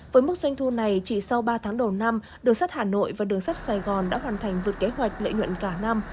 với mức doanh thu này chỉ sau ba tháng đầu năm đường sắt hà nội và đường sắt sài gòn đã hoàn thành vượt kế hoạch lợi nhuận cả năm